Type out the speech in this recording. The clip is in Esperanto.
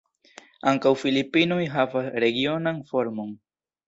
Ankaŭ Filipinoj havas regionan formon.